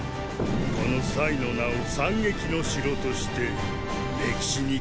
このの名を“惨劇の城”として歴史に刻むがよい。